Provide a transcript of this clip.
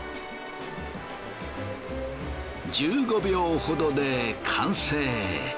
１５秒ほどで完成。